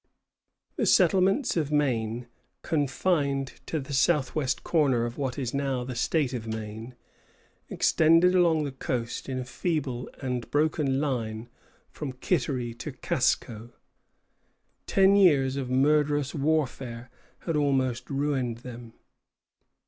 The settlements of Maine, confined to the southwestern corner of what is now the State of Maine, extended along the coast in a feeble and broken line from Kittery to Casco. Ten years of murderous warfare had almost ruined them.